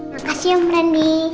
makasih ya pak randy